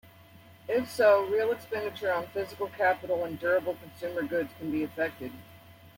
If so, real expenditure on physical capital and durable consumer goods can be affected.